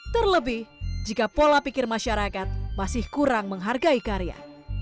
terlebih jika pola pikir masyarakat masih kurang menghargai karya